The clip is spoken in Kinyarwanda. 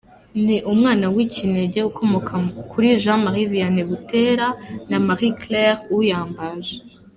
Ni umwana w’ikinege ukomoka kuri Jean Marie Vianney Butera na Marie Claire Uyambaje.